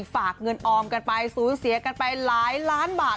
ฝากเงินออมกันไปสูญเสียกันไปหลายล้านบาท